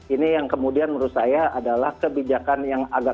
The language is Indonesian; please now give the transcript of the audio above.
ini yang kemudian menurut saya adalah kebijakan yang agak